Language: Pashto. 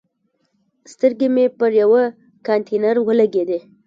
سترګې مې په یوه کانتینر ولګېدې.